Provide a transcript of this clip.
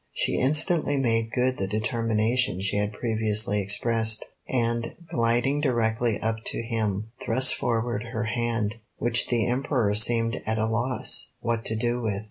She instantly made good the determination she had previously expressed, and, gliding directly up to him, thrust forward her hand, which the Emperor seemed at a loss what to do with.